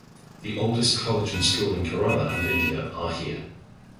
The oldest college and school in Kerala and India are here.